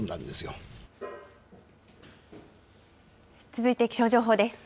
続いて気象情報です。